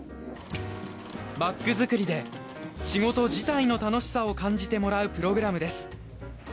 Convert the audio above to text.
バッグ作りで仕事自体の楽しさを感じてもらうプログラムです。